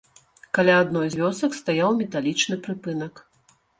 Каля адной з вёсак стаяў металічны прыпынак.